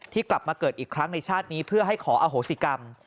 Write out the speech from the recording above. กลับมาเกิดอีกครั้งในชาตินี้เพื่อให้ขออโหสิกรรม